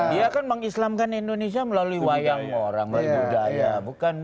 dia kan mengislamkan indonesia melalui wayang orang melalui budaya